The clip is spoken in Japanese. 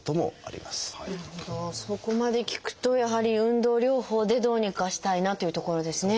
そこまで聞くとやはり運動療法でどうにかしたいなというところですね。